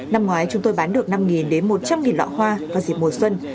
năm ngoái chúng tôi bán được năm đến một trăm linh lọ hoa vào dịp mùa xuân